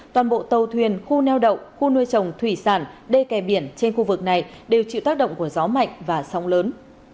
toàn bộ tàu thuyền khu neo đậu khu nuôi trồng thủy sản đê kè biển trên khu vực này đều chịu tác động của gió mạnh và sóng lớn